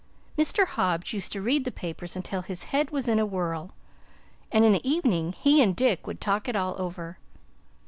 Mr. Hobbs used to read the papers until his head was in a whirl, and in the evening he and Dick would talk it all over.